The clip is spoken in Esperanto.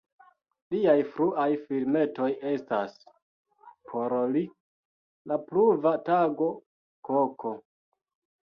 Liaj fruaj filmetoj estas: "Por li", "La pluva tago", "Koko".